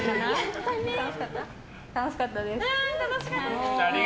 楽しかったです。